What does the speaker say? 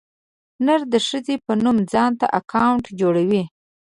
نر د ښځې په نوم ځانته اکاونټ جوړوي.